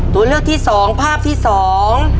ตัวเลือกที่สองภาพที่สอง